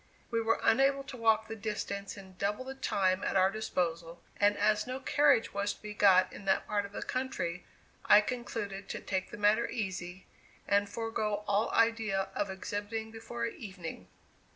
We were unable to walk the distance in double the time at our disposal, and as no carriage was to be got in that part of the country, I concluded to take the matter easy, and forego all idea of exhibiting before evening.